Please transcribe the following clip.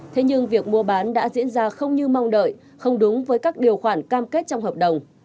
thế nhưng việc mua bán đã diễn ra không như mong đợi không đúng với các điều khoản cam kết trong hợp đồng